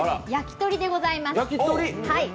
やきとりでございます。